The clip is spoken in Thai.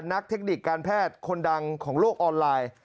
เทคนิคการแพทย์คนดังของโลกออนไลน์